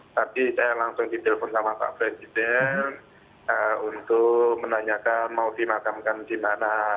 tadi saya langsung ditelepon sama pak presiden untuk menanyakan mau dimakamkan di mana